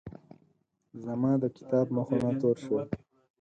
زما د کتاب مخونه تور شول.